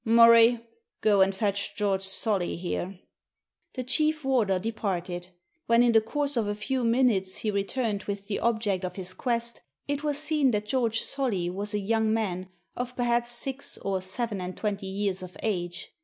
Murray, go and fetch George Solly here." The chief warder departed. When, in the course of a few minutes, he returned with the object of his quest, it was seen that George Solly was a young man, of perhaps six or seven and twenty years of age.